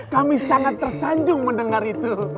kami sangat tersanjung mendengar itu